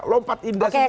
lompat indah semuanya